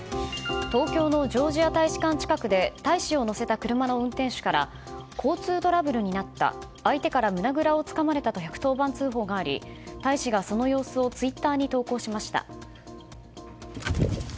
東京のジョージア大使館近くで大使を乗せた車の運転手から交通トラブルになった相手から胸ぐらをつかまれたと１１０番通報があり大使が、その様子をツイッターに投稿しました。